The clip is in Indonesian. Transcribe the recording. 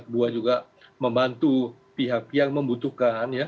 buah juga membantu pihak pihak yang membutuhkan ya